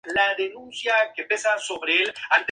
Pero algunas personas hacen titulares y otras hacen historia".